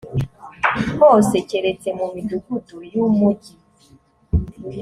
hose keretse mu midugudu y umujyi